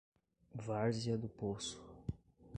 Várzea do Poço